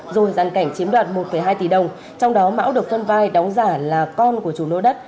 rồi giàn cảnh chiếm đoạt một hai tỷ đồng trong đó mão được phân vai đóng giả là con của chủ lô đất